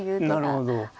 なるほど。